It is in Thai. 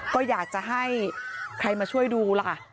ก็อยากจะให้ใครมาช่วยดูล่ะค่ะ